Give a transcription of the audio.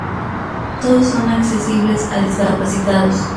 Todos son accesibles a discapacitados.